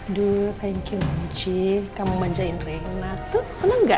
aduh thank you missy kamu banjain reina tuh senang ga